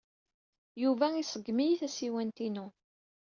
Yuba iṣeggem-iyi tasiwant-inu.